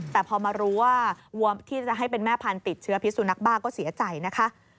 แต่พอมารู้ว่าวัวที่จะให้เป็นแม่พันธุ์ติดเชื้อพิสุนักบ้าก็เสียใจนะคะ